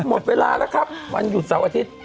หมดเวลาแล้วครับวันหยุดเสาร์อาทิตย์